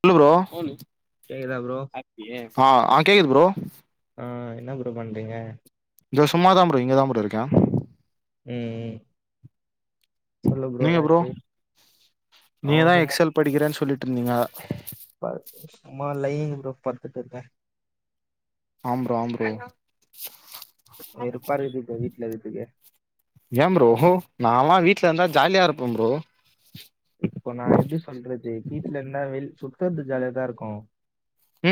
சொல்லு ப்ரோ கேக்குதா ப்ரோ ஆ கேக்குது ப்ரோ ஆ என்னா ப்ரோ பண்றீங்க? இங்க சும்மாதான் ப்ரோ இங்கதான் ப்ரோ இருக்கன் ம் ம் சொல்லு ப்ரோ எதாச்சும அவன் சும்மா படிக்கறன்னு சொல்லிட்டு இருந்தீங்க ம் சும்மா லைய்ங் ப்ரோ படுத்துட்டு இருக்கன் ஆம் ப்ரோ ஆம் ப்ரோ வெறுப்பா இருக்குது இப்ப வீட்ல இருக்கறதுக்கு ஏன் ப்ரோ நா எல்லா வீட்ல இருந்தா ஜாலியா இருப்பன் ப்ரோ இப்ப நா எப்டி சொல்றது வீட்ல இருந்தா வெ சுத்தறது ஜாலியாதா இருக்கு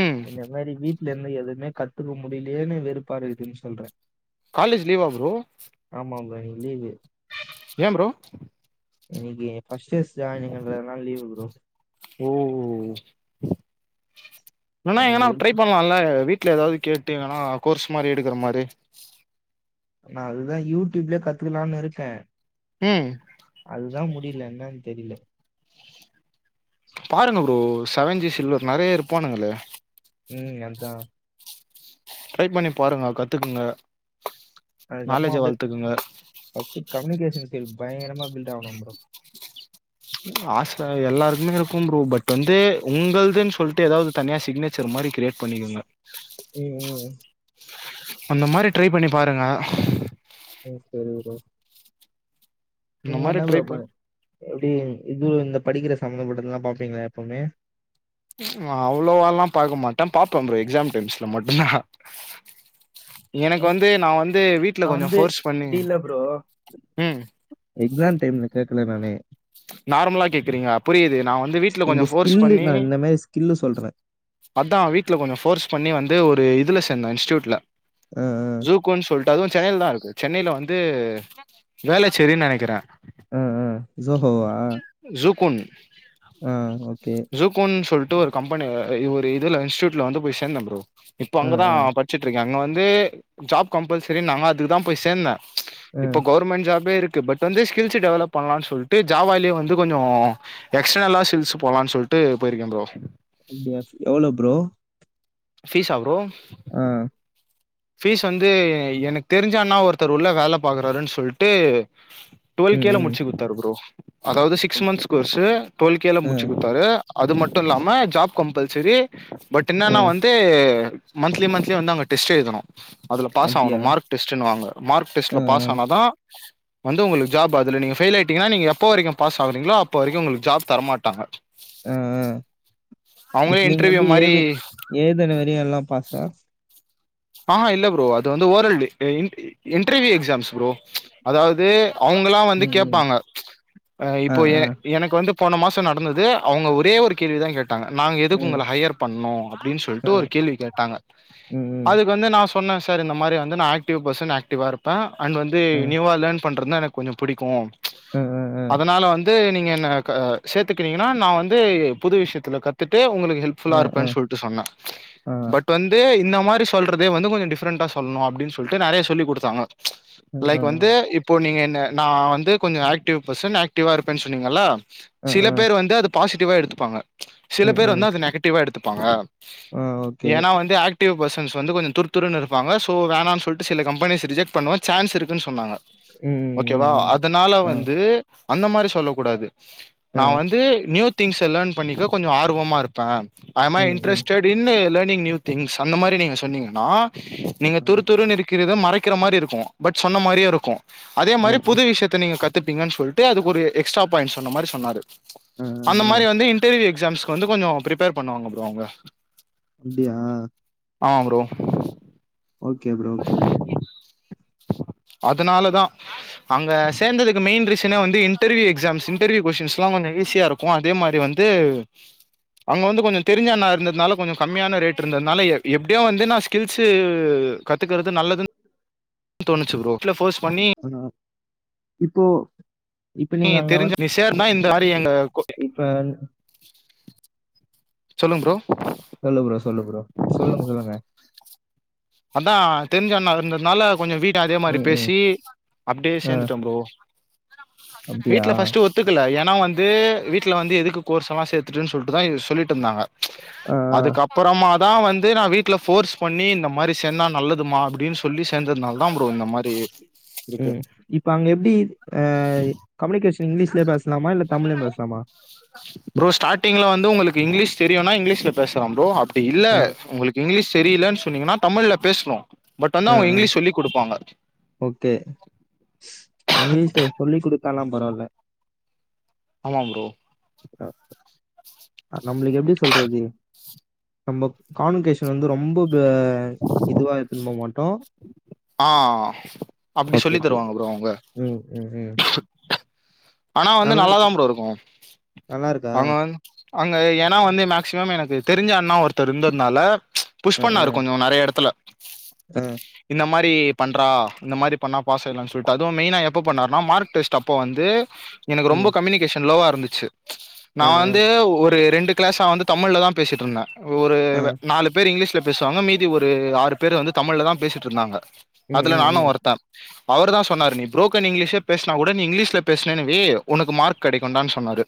ம் இந்த மாரி வீட்ல இருந்தா எதுமே கத்துக்க முடியலேன்னு வெறுப்பாருக்குதுன்னு சொல்றன் காலேஜ் லீவா ப்ரோ ஆமாம் ப்ரோ இன்னைக்கு லீவு ஏன் ப்ரோ இன்னைக்கு ஃபர்ஸ்ட் இயர்ஸ் ஜாயிண்ட்ன்றதனால லீவு ப்ரோ ஓ இல்லனா எங்கனா ட்ரை பண் லால்ல வீட்ல எதாவது கேட்டு வேணா கோர்ஸ் மாரி எடுக்கிற மாரி நா அதுதான் யூடியூப்லயே கத்துக்கலானு இருக்கன் ம் அதுதான் முடில என்னன்னு தெரில பாருங்க ப்ரோ செவன் ஜி சில்வர் நெறையா இரு போனதில்ல ம் அதான் ட்ரை பண்ணி பாருங்க கத்துக்குங்க அதுக்கப்பம்மா நாலேஜ அப்டியே வளத்துக்குங்க ஃபர்ஸ்ட் கம்யூனிகேஷன் ஸ்கில் பயங்கரமா பில்ட் ஆகணும் ப்ரோ உ ஆச எல்லாருக்குமே இருக்கும் ப்ரோ பட் வந்து உங்கள்துன்னு சொல்ட்டு எதாவது தனியா சிக்னேச்சர் மாரி கிரியேட் பண்ணிக்கங்க ம் ம் அந்த மாரி ட்ரை பண்ணி பாருங்க ஓகே ப்ரோ இந்த நீங்க மாரி என்ன ட்ரை ப்ரோ பண் எப்டி இது இந்த படிக்கிற சம்பமந்தப்பட்டதெல்லா பாப்பீங்ளா எப்புமே அவ்ளோவா எல்லாம் பாக்க மாட்டன் பாப்பேன் ப்ரோ எக்ஸாம் டைம்ஸ்ல மட்டுந்தான் எனக்கு வந்து நா வந்து வீட்ல நான் கொஞ்சோ வந்து ஃபோர்ஸ் பண்ணி இப்படி இல்ல ப்ரோ ம் எக்ஸாம் டைம்ல கேக்கல நானு நார்மலா கேக்கறீங்க புரிது நா வந்து வீட்ல இந்த கொஞ்சோ ஃபோர்ஸ் ஸ்கில்லு பண்ணி நான் இந்த மாதிரி ஸ்கில்லு சொல்றேன் அதான் வீட்ல கொஞ்சோ ஃபோர்ஸ் பண்ணி வந்து ஒரு இதுல சேந்தன் இன்ஸ்ட்டியூட்ல ஆ ஜூக்குன்னு சொல்ட்டு அதுவு சென்னைலதான் இருக்கு சென்னைல வந்து வேளச்சேரின்னு நெனைக்கிற ம் ம் சோஹோவா ஜூக்குன் ம் ஓகே ஜூக்குன்னு சொல்ட்டு ஒரு கம்பெனி இ ஒரு இதுல இன்ஸ்டியூட்ல வந்து போய் சேந்த ப்ரோ இப்போ ஆ அங்கதா ஆ படிச்சுட்டு இருக்கே அங்க வந்து ஜாப் கம்பல்சரின்னாங்க அதுக்கு தா போய் சேந்தே ஆ இப்போ கவுர்மெண்ட் ஜாபே இருக்கு பட் வந்து ஸ்கில்ஸு டெவலப் பண்ணலான்னு சொல்ட்டு ஜாவாலயே வந்து கொஞ்சோ எக்ஸ்டர்னலா சில்ஸ் போலான்னு சொல்ட்டு போயிருக்கே ப்ரோ அப்டியா எவ்ளோ ப்ரோ ஃபீஸா ப்ரோ ஆஹ் ஃபீஸ் வந்து எனக்கு தெரிஞ்சன்னா ஒருத்தர் உள்ள வேல பாக்குறாருன்னு சொல்ட்டு டுவல் ம் கேல ம் முடிச்சு கொடுத்தாரு ப்ரோ அதாவது சிக்ஸ் மந்த்ஸ் கோர்ஸு டுவெல் கேல ஆ முடிச்சு குடுத்தாரு அது மட்டு இல்லாம ஜாப் கம்பல்சரி பட் ஆ என்னான்னா வந்து வந்து மந்த்லி மந்த்லி வந்து அங்க டெஸ்ட் எழுதணு அதில பாஸ் ஆவணு அப்படியா மார்க் டெஸ்டுனுவாங்க மார்க் ஆ ஆ டெஸ்ட்ல பாஸ் ஆனாதா வந்து உங்களுக்கு ஜாப் அதுல நீங்க ஃபெயில் ஆயிட்டீங்கன்னா நீங்க எப்போ வரைக்கு பாஸ் ஆகுறீங்களோ அப்போ வரைக்கு உங்களுக்கு ஜாப் தரமாட்டாங்க ஆ ஆ இப்போ அவுங்களே நீங்கள் இன்டர்வியூ எப்படி மாரி ஏது ஏதுன வரையு எல்லா பாஸ்தா ஆஹ்ஹா இல்ல ப்ரோ அது வந்து ஓரல் டிக்ட்டு இன்டர்வியூ எக்ஸாம்ஸ் ப்ரோ அதாவ்து அவுங்களா வந்து ம் ம் கேப்பாங்க ஆ, இப்போ ஆ, ஏன் எனக்கு வந்து போன மாசோ நடந்தது அவங்க ஒரே ஒரு கேள்வி தா கேட்டா நாங்க எதுக்கு ம், உங்கள ஹையர் பண்ணு அப்டின்னு ஆ, சொல்ட்டு ஒரு கேள்வி கேட்டாங்க ம், ம், அதுக்கு வந்து நா சொன்னே சார் இந்த மாரி வந்து நா ஆக்டிவ் பர்சன் ஆக்டிவா இருப்பே அண்ட் வந்து ஆ, நியூவா லேர்ன் பண்றதுதா எனக்கு கொஞ்சோ பிடிக்கு ஆ, ஆ, அதனால வந்து நீங்க என்ன சேத்துக்கிறீங்கன்னா நா வந்து புது விஷயத்தில கத்துட்டு உங்ளுக்கு ஹெல்ப் ஆ, ஆ, ஃபுல்லா இருப்பே ஆ, சொல்ட்டு சொன்னே ஆ, பட் வந்து இந்த மாரி சொல்றதே வந்து கொஞ்சோ டிஃப்ரெண்டா சொல்லணு அப்டின்னு சொல்ட்டு நிறைய சொல்லிக் கொடுத்தாங்க ஆ, லைக் வந்து இப் இப்போ நீங்க என்ன நா வந்து கொஞ்சோ ஆக்டிவ் பர்சன் ஆக்டிவா இருப்பேன்னு சொன்னீங்கள ஆ, ஆ, சில ஆ, பேர் வந்து அது பாசிட்டிவா எடுத்துப்பாங்க சில ம், பேர் ம், வந்து அத நெகட்டிவா எடுத்துப்பாங்க ஆ, ஓகே. ஏன்னா வந்து ஆக் டிவ் பர்சன்ஸ் வந்து கொஞ்சோ துருத்துருன்னு இருப்பாங்க சோ வேணான்னு சொல்ட்டு சில கம்பெனிஸ் ரிஜெக்ட் பண்ணவு சான்ஸ் இருக்குன்னு சொன்னாங்க உம் ஓகேவா அதனால வந்து அந்த மாரி சொல்ல கூடாது ஆ, நா வந்து நியூ திங்ஸ லர்ன் பண்ணிக்க கொஞ்சோ ஆர்வமா இருப்பே ஐ அம் அ ம், ம், இன்ட்ரஸ்டட் இன்ன லர்னிங் நியூ திங்ஸ் அந்த மாரி நீங்க சொன்னீங்கன்னா நீங்க ஆ, துருதுருனு இருக் க்கிறத மறைக்கிற மாரி இருக்கு பட் சொன்ன மாரியு இருக்கு அதே ஆ, மாரி புது விஷயத் நீங்க கத்துப்பீங்கன்னு சொல்ட்டு அது ஒரு எக்ஸ்ட்ரா பாயிண்ட் சொன்ன மாரி சொன்னாரு ஆ, ஆ, அந்த ஆ, மாரி வந்து இன்டர்வியூ எக்ஸாம்ஸ்க்கு வந்து கொஞ்சோ பிரிப்பேர் பண்ணுவாங்க ப்ரோ அவங்க அப்டியா ஆமா bro okay bro okay bro அதனால தா அங்க சேந்ததுக்கு மெய்ன் ரீசனே வந்து இன்டர்வியூ எக்ஸாம்ஸ் இன்டர்வியூ கொஸ்டின்ஸ்லா கொஞ்சோ ஈஸியா இருக்கு கு அதே மாரி வந்து அங்க வந்து கொஞ்சோ தெரிஞ்சண்ணா இருந்ததுனால கொஞ்சோ கம்மியான ரேட் இருந்ததுனால எ எப்டியோ வந்து நா ஸ்கில்ஸு கத்துக்கிறது நல்லதுன்னு தோணுச்சு ப்ரோ இதுல ஃபோர்ஸ் பண்ணி ஆ இப்போ இப்ப நீ நீங்க அங்க தெரிஞ்ச ஒர்க் நீ சேர்னா இந்த மாரி அங்க இப்ப சொல்லுங்க ப்ரோ சொல்லு ப்ரோ சொல்லு ப்ரோ சொல்லுங்க சொல்லுங்க அதா தெரிஞ்சண்ணா இருந்ததுனால கொஞ்சோ வீட் ட அதே மாரி ம், ம், பேசி அப்டே ஆ, சேந்துட்டே ப்ரோ அப்டியா? வீட்ல ஃபஸ்ட் ஒத் துக்கல ஏனா வந்து வீட்ல வந்து எதுக்கு கோர்ஸ்ஸெல்லா சேத்துட்டுன் சொல்ட்டுதா சொல்லிட்டுருந்தாங்க ஆ, ஆ, அதுக்கப்புறமாதா வந்து நா வீட்ல ஃபோர்ஸ் பண்ணி இந்த மாரி சேந்தா நல்லதுமா அப்டின் சொ சொல்லி சேந்ததுனாலதா ப்ரோ இந்த மாரி இருக்கு ம். இப்ப அங்க எப்டி அ கம்யூனிகேஷன் இங்கிலிஷ்லே பேசலாமா இல்ல தமிழயு பேசலாமா ப்ரோ ஸ்டார்டிங்ல வந்து உங்களுக்கு இங்கிலீஷ் தெரியுன்னா இங்கிலீஷ்ல பேசலாம் ப்ரோ அப்டி இல்ல ம், உங்களுக் இங்கிலீஷ் தெரியில்லன் சொன்னீங்கன்னா தமிழ்ல பேசுனு பட் வந்து ஆ, அவங்க ஆ, இங்கிலீஷ் சொல்லி குடுப்பாங்க ஓகே இங்கிலீஷ்ல சொல்லி குடுத்தாலா பரவால ஆமாம் ப்ரோ ஆ நம்மளுக்கு எப்டி சொல்றது நம்ம கான்வோகேஷன் வந்து ரொம்போ வே இதுவா எத்துனு போ மாட்டோ ஆ அப்டி ஓகே சொல்லி ஓகே. தருவாங்க ப்ரோ அவங்க ம் ம் ம் ஆனா வந்து நல்லாதா ப்ரோ இருக்கு நல்லா இருக்கா அவங்க வந் அங்க ஏனா வந்து மேக்சிமம் எனக்கு தெரிஞ்ச அண்ணா ஒரு த்தர் இருந்தனால புஷ் அ அ பண்ணாரு கொஞ்சோ நெறைய எடத்துல அ இந்த மார் ரி பண்றா இந்த மாரி பண்ணா பாஸ் ஆய்ட்லா சொல்லிட்டு அதுவு மெயினா எப்ப பண்ணாருனா மார்க் டெஸ்ட் அப்போ வந்து எனக்கு ரொம்ப ம் கம்யூனி கேஷன் லோவா இருந்துச்சு அ நா வந்து அ ஒரு ரெண்டு கிளாஸா வந்து தமிழ்லதா பேசிட்டு இருந்த ஒரு அ நாலு பேர் இங்கிலீஷ்ல பேசுவாங்க மீதி ஒரு ஆறு பேர் வந்து தமிழ்லதா பேசிட்டுருந்தாங்க ம் அதுல ம் நானு ம் ஒருத்த அவர்தா சொன்னாரு நீ புரோக்கன் இங்கிலீஷே பேசுனா கூட நீ இங்கிலீஷ்ல பேசுனேன் வை உனக்கு மார்க் கெடைக்குன்டான் சொன்னாரு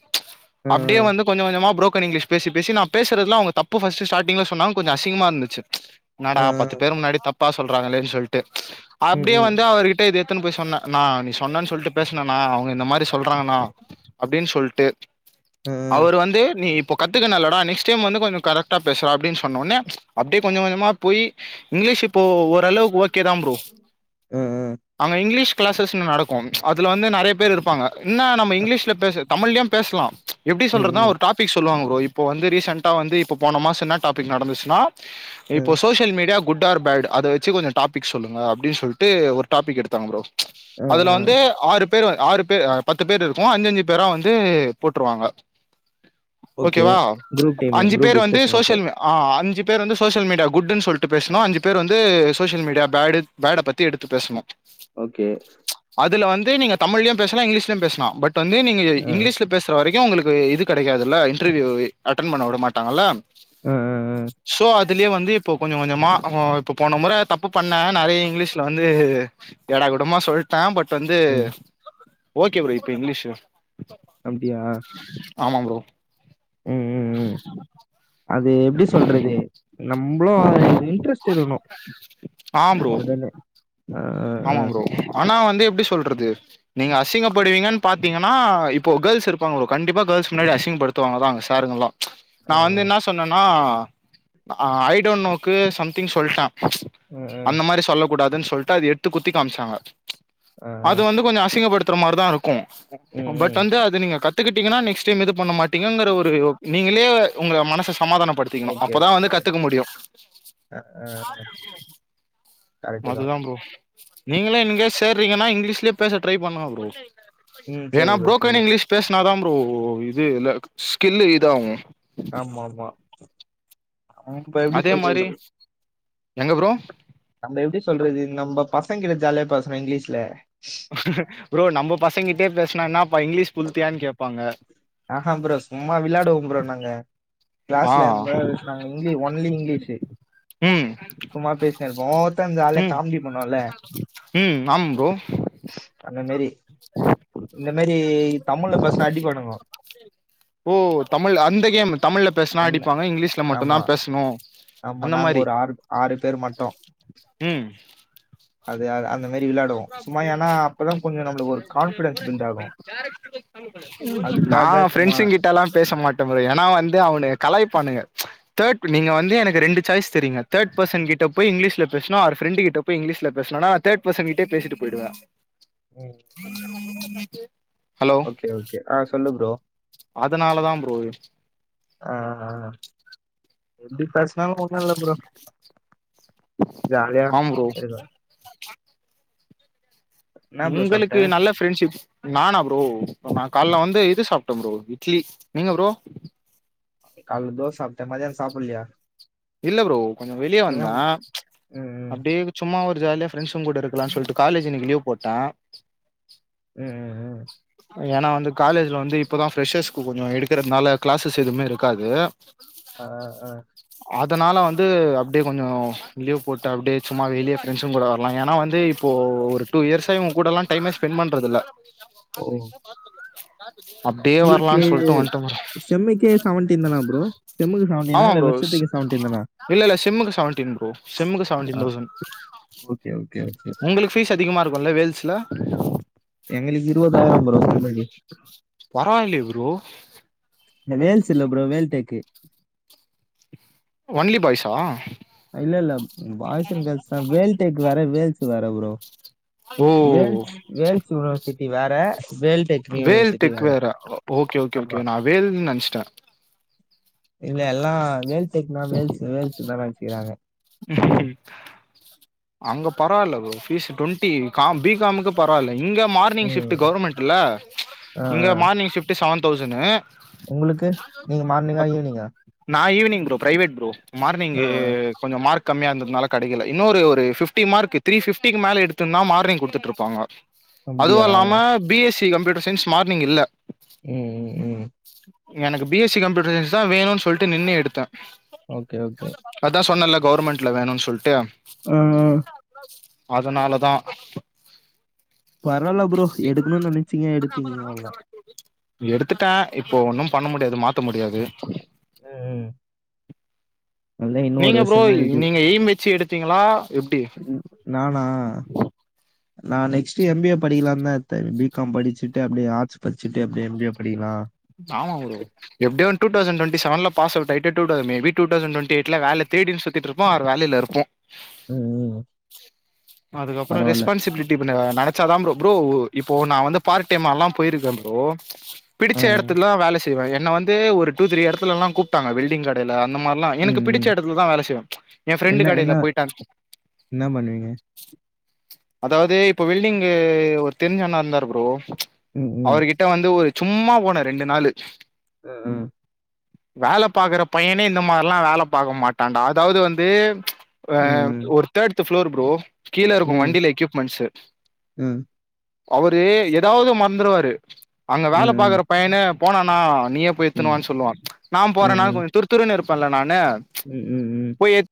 அ அ அப்டியே வந்து கொஞ்சொ கொஞ்சமா புரோக்கன் இங்லீஷ் பேசி பேசி நா பேசுறதுலா அவங்க தப்பு ஃபஸ்ட் ஸ்டாட்டிங்ல சொன்னாங்க கொஞ்சொ அசிங்கமா இருந்துச்சு என்னாடா அ அ பத்து பேர் முன்னாடி தப்பா சொல்றாங்கல்லேன் சொல்ட்டு ம் அப்டியே ம் வந்து அவர்கிட் ட இது எத்துன்னு போய் சொன்ன அண்ணா நீ சொன்னேன்னு சொல்ட்டு பேசுனணா அவங்க இந்த மாரி சொல்றாங்கன்னா அப்டின்னு சொல்ட்டு அ அ அவர் வந்து நீ இப் ப்போ கத்துக்குனல்லடா நெக்ஸ்ட் டைம் வந்து கொஞ்சோ கரெக்ட்டா பேசுவ அப்டின் சொன்னோன அப்டியே கொஞ்ச கொஞ்சமா போய் இங்கிலீஷ் இப்போ ஓரளவுக்கு ஓகேதா வ அ அ அங்க இங்கிலீஷ் கிளாசஸ்ல நடக்கும் அதுல வந்து நெறைய பேர் இருப்பாங்க என்ன நம்ம இங்கிலீஷ்ல பேச தமிழ்லயு பேசலா எப்டி ம் சொல்றதுனா ம் ஒரு டாபிக் சொல்லாங்க ப்ரோ இப் போ வந்து ரீசென்டா வந்து இப்ப போன மாசோ என்ன டாபிக் நடந்துச்சுன்னா அ இப்போ social media good or bad அத வச்ச கொஞ்சொ டாபிக் சொல்லுங்க அப்டின்னு சொல்லிட்டு ஒரு டாபிக் எடுத்தாங்க ப்ரோ அ அ அதுல வந்து ஆறு பேர் வ ஆறு பே பத்து பேர் இருக்கோ அஞ்சஞ்சு பேரா வந்து போட்டுருவாங்க ஓகே ஓகேவா குரூப் டீமு அஞ்சு குரூப் பேர் வந்து டிஸ்கஷன் ஓகே சோசியல் மீ ஆ அஞ்சு பேர் வந்து சோசியல் மீடியா குட்டுன் சொல்ட்டு பேசனு அஞ்சு பேர் வந்து சோசியல் மீடியா பேடு பேட பத்தி எடுத்து பேசணு ஓகே அதுல வந்து நீங்க தமிழ்லயு பேசலா இங்கிலீஷ்லயு பேசலா பட் வந்து நீங்க அ இங்கிலீஷ்ல பேச ற்ற வரைக்கு உங்களுக்கு இது கெடைக்காதுல்ல இன்டர்வியூ அட்டன் பண்ண விட மாட்டாங்கள அ அ அ சோ அ இதுலயு வந்து இப்ப கொஞ்ச கொஞ்சமா நாம இப்ப போன மொற தப்பு பண்ண நெறைய இங்லீஷ்ல வந்து ஏடா கூடமா சொல்ட்ட பட் வந்து ம் ஓகே ப்ரோ இப்ப இங்லீஷு அப்டியா ஆமா ப்ரோ ம் ம் ம் அது எப்டி சொல்றது நம்ளு அது இன்ட்ரெஸ்ட் இருக்ணு ஆ ப்ரோ ஒடனே அ அ அ ஆமா ப்ரோ ஆனா வந்து எப்டி சொல்றது நீங்க அசிங்கப்படுவீங்கன் பாத்தீங்கன்னா இப்போ கேள்ஸ் இருப்பாங்களோ கண்டிப்பா கேள்ஸ் முன்னாடி அசிங்கப்படுத்துவாங்க தா சாருங்கள்லா நா ஆ வந்து என்ன சொன்னனா ஐடோன் நோக்கு சம்திங் சொல்ட்ட ம் ம் அந்த மாரி சொல்ல கூடாதுன் சொல்ட்டு அது எத்து குத்தி காம்ச்சாங்க ஆ ஆ அது வந்து கொஞ்சோ அசிங்கப்படுத்துற மாரிதா இருக்கு ம் பட் ம் வந்து அது நீங்க கத் கத்துக்கிட்டீங்கன்னா நெக்ஸ்ட் டைம் இது பண்ண மாட்டிங்ககிற ஒரு நீங்களே உங்க மனச சமாதானப்படுத் ஓகே அ அ அதுதா ப்ரோ நீங்களே இங்க சேறீங்கன்னா இங்லீஷ்லயே பேச ட்ரை பண்ணுங்க ப்ரோ ம் ஏன்னா சரி ப்ரோ சரி புரோக்கன் இங்லீஷ் பேஸ்னாதா ப்ரோ இது இல்ல ஸ்கில்லு இதாவு ஆமாமா அதே மாரி எங்க ப்ரோ நம்ம எப்டி சொல்றது நம்ம பசங்கிட்ட ஜாலியா பேசுறோ இங்லீஷ்ல ப்ரோ நம்ம பசங்கிட்டே பேஸ்னா என்னாப்பா இங்லீஷ் புலுத்தியான் கேப்பாங்க ஆஹா ப்ரோ சும்மா விளாடுவோ ப்ரோ நாங்க ஆ க்ளாஸ்ல இந்த மாரி தா பேசுறாங்க இங்லி ஒன்லி இங்லீஷ்சு ம் சும்மா பேசினே இருப்போ ஒவ்வொருத்த ஜாலியா ம் காமிடி பண்ணுவால ம் ஆமா ப்ரோ அந்த மேரி இந்த மரி தமிழ்ல பேஸ்னா அடிப்பாணுங்கோ ஓ தமிழ் அந்த கேம் தமிழ்ல பேஸ்னா அந்த அடிப்பாங்க இங்லீஷ்ல மட்டுந்தா ஆமா பேசணு ஆமா நாங்க ஒரு ஆர் ஆறு பேர் மட்டு ம் சும்மா ஏன்னா அப்பதான் கொஞ்சம் நம்மளுக்கு ஒரு கான்ஃபிடன்ஸ் பில்ட் ஆகும். நா அதுக்காக சும்மா ஃப்ரெண்ட்ஸ் கிட்டல்லா பேச மாட்ட ப்ரோ ஏனா வந்து அவனுங்க கலாய்ப்பானுக தேர்ட் நீங்க வந்து எனக்கு ரெண்டு சாய்ஸ் தரிங்க தேட் பெர்சன் கிட்ட போய் இங்லீஷ்ல பேசுணு அவரு ஃப்ரெண்ட்டு கிட்ட போய் இங்லீஷ்ல பேசணு ஆனா தர்ட் பர்சன் கிட்ட பேசிட்டு போய்டுவ ம், ம். ஹலோ ஓகே ஓகே ஆ சொல்லு ப்ரோ அதனாலதா ப்ரோ ஆ ஆ எப்டி பாஸ் அதல்லா ஒண்ணு இல்ல ப்ரோ ஜாலியா ஆம் ப்ரோ இருக்க என்ன ப்ரோ சாப்பிட்ட? உங்களுக்கு நல்ல ஃப்ரென்ஷிப் நானா ப்ரோ நா கால்ல ம். வந்து இது சாப்ட ப்ரோ இட்லி நீங்க ப்ரோ கால்ல தோசாப்ட மதியானோ சாப்பல்லயா இல்ல ப்ரோ கொஞ்சோ வெளிய வந்த ம், ம். அப்டியே சும்மா ஒரு ஜாலியா ப்ரெண்ட்ஸ்ங்க கூட இருக்கலான் சொல்ட்டு காலேஜ் இன்னைக்கு லீவ் போட்ட ம் ம் ம் ஏனா வந்து காலேஜ்ல வந்து இப்பதா ஃப்ரெஷர்ஸ்க்கு கொஞ்சோ எடுக்கிறதுனால க்ளஸஸ் எதுமே இருக்காது அ அ அதனால வந்து அப்டியே கொஞ்சோ லீவ் போட்டு அப்டியே சும்மா வெளிய ஃப்ரெண்சுங்க கூட வரலா ஏனா வந்து இப்போ ஒரு டூ இயர்ஸா இவங்க கூடலா டைமே ஸ்பெண் பண்றதுல்ல ஓ! அப்டியே உங்களுக்கு வரலான் சொல்ட்டு வன்ட்டமா செம்முக்கே செவன்டீன் தானா ப்ரோ செம்முக்கு செவன்டீனா ஆமா இல்ல ப்ரோ ஸ் வருஷத்துக்கு செவன்டீன் தானா இல்ல இல்ல செம்முக்கு செவன்டீன் ப்ரோ செம்முக்கு செவன்டீன் ஆ. Thousand okay okay, okay. உங்களுக்கு ஃபீஸ் அதிகமா இருக்குல்ல வேல்ஸ்ல எங்களுக்கு இருபதாயிர ப்ரோ செம்முக்கு பரவால்லையே ப்ரோ இந்த வேல்ஸ் இல்ல ப்ரோ வேல் டெக்கு ஒன்லி பாய்ஸா இல்ல இல்ல பாய்ஸ் அண்ட் கேர்ள்ஸ்தா வேல் டெக் வேற வேல்ஸ் வேற ப்ரோ ஓ வேல்ஸ் வேல்ஸ் யூனிவர்சிட்டி வேற வேல்ஸ் வேல் டெக் வேற ஓகே ஓகே ஆமா ஓகே நா வேல்ன்னு நெனச்ட்ட இல்ல எல்லா வேல் டெக்னா வேல்ஸ் வேல்ஸ்ன்தா நெனச்சுக்கிறாங்க அங்க பரவால்ல ப்ரோ ஃபீஸ் டுவெண்டி க பிகாமுக்கு பரவால்ல இங்க மார்னிங் ஷிப்ட் ம் கவர்மெண்ட் இல்ல ஆ, ஆ. இங்க மார்னிங் ஷிப்ட்டு செவன் தௌசண்ட்ணு உங்களுக்கு நீங்க மார்னிங்கா ஈவினிங்கா நா ஈவினிங் ப்ரோ பிரைவேட் ப்ரோ மார்னிங்கு கொஞ்சோ மார்க் கம்மியா இருந்ததுனால கெடைக்கல இன்னொரு இது ஃபிப்டி மார்க் த்ரீ ஃபிப்டிக்கு மேல எடுத்துர்ந்தா மார்னி்ங் குடுத்துட்ருப்பாங்க அதுவு அப்படியா இல்லாம பிஎஸ்சி கம்ப்யூட்டர் சயின்ஸ் மார்னிங் இல்ல ம் ம் ம் எனக்கு பிஎஸ்சி கம்ப்யூட்டர் சயின்ஸ் தா வேணுன் சொல்ட்டு நின்னு எடுத்த ஓகே ஓகே அதா சொன்னன்ல கவர்மெண்ட்ல வேணுன் சொல்ட்டு ஆமா அதனாலதா பரவால்ல ப்ரோ ப்ரோ எடுக்கணுன் நினச்சீங்க எடுத்தீங்க அவ்ளோதா எடுத்துட்ட இப்போ ஒன்னு பண்ண முடியாது மாத்த முடியாது ம் ம் நல்லா இன்னும் ஒரு நீங்க ப்ரோ வருஷம் தான் இருக்கு நீங்க எய்ம் வச்சு எடுத்தீங்களா எப்டி ம் நானா நா நெக்ஸ்ட் எம்பிஏ படிக்கலான்தா எடுத்த பி கா ம் படிச்சுட்டு அப்டியே ஆர்ட்ஸ் படிச்சுட்டு அப்டியே எம் பி ஏ படிக்கலா ஆமா ப்ரோ எப்டியே டூ தௌசண் டுவெண்ட்டி செவன்ல பாஸ் அவுட் ஆய்ட்டு two thousand maybe two thousand twenty எய்ட்ல வேல தேடின் சுத் ட்டு இருப்போ ஆர் வேலைல இருப்போ ம் ம் அதுக்கப்ற பரவால்ல ரெஸ்பான்சிபிலிட்டி [inaudible] படிச்சாதா ப்ரோ ப்ரோ இப்போ நா வந்து பார்ட் டைமால்லா போய்ருக்க ப்ரோ பிடிச்ச ஆ இட த வேல செய்வ என்ன வந்து ஒரு டூ த்ரீ இடத்துலல்லா கூப்ட்டாங்க வெல்டிங் கட் ல்ல அந்த மாரிலா ம் எனக்கு பிடிச்ச ம் இடத்துலதா வேல செய்வ எ ஃப்ரெண்டு் என்ன என்ன கடைல போய்ட்டா என்ன பண்ணுவீங்க அதாவது இப்ப வெல்டிங்கு ஒரு தெரிஞ்சன்னா இருந்தார் ப்ரோ ம் ம் அவர்கிட் கிட்ட வந்து ஒரு சும்மா போன ரெண்டு நாளு ஆ வேல பாக்கற பையனே இந்த மாரில்லா வேல பாக்க மாட்டாண்டா அதாவது வந்து ஆ ம் ஒரு தேர்ட்து ஃப்ளோர் ப்ரோ கீழே இருக்கூ ம் வண்டில எக்யூப்மெண்ட்ஸு ம் அவரு எதாவ்து மறந்துருவாரு அங்க ம் வேல ம் பாக்கற பையனே போனானா நீயே ம் ம் போயெத்துனுவான்னு சொல்லுவார் நான் ம் போறன ம் கொஞ்ச துருத்துரு இருப்பேன்ல்ல நானு ம் ம் ம் போயெத்